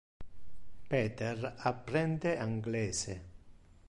Peter apprende anglese.